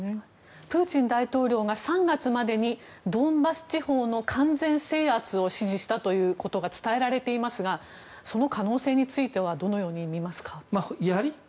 プーチン大統領が３月までにドンバス地方の完全制圧を指示したということが伝えられていますがその可能性についてはどのように見ますか？